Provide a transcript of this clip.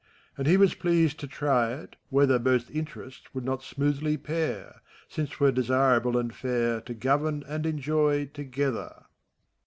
And he was pleased to try it, whether Both interests would not smoothly pair. Since 't were desirable and fair To govern and enjoy, together.